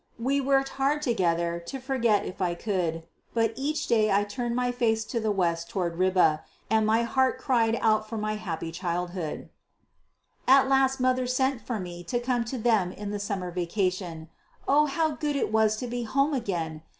We worked hard together, to forget if I could. But each day I turned my face to the west toward Ribe, and my heart cried out for my happy childhood. [Illustration: Elizabeth as I found her again.] At last mother sent for me to come to them in the summer vacation. Oh, how good it was to go home again!